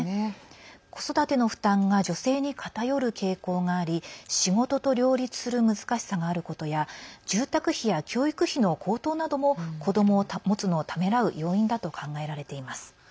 子育ての負担が女性に偏る傾向があり仕事と両立する難しさがあることや住宅費や教育費の高騰なども子どもを持つのをためらう要因だと考えられています。